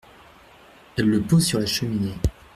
Elle le pose sur la cheminée.